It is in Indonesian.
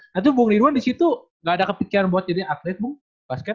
nah itu bu nidwan di situ gak ada kepikiran buat jadi atlet bu basket